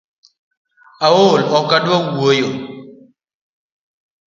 Aol ok adua wuoyo